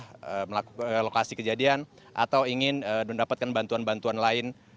maksudnya adalah melakukan pencarian di lokasi kejadian atau ingin mendapatkan bantuan bantuan lain